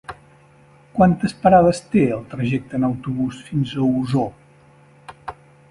Quantes parades té el trajecte en autobús fins a Osor?